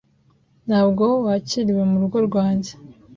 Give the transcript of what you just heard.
Ntabwo wakiriwe murugo rwanjye.